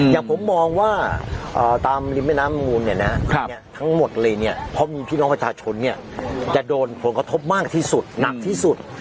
อย่างผมมองว่าตามริมแม่น้ำมูลเนี่ยนะทั้งหมดเลยเนี่ยเพราะมีพี่น้องประชาชนเนี่ยจะโดนผลกระทบมากที่สุดหนักที่สุด